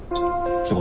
仕事。